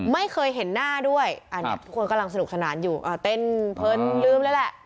ไม่เคยเห็นหน้าด้วยอันนี้ทุกคนกำลังสนุกสนานอยู่เต้นเพลินลืมเลยแหละ